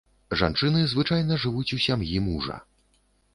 Жанчыны звычайна жывуць у сям'і мужа.